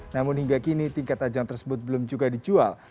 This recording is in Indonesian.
namun hingga kini tingkat ajang tersebut belum juga dijual